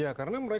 ya karena mereka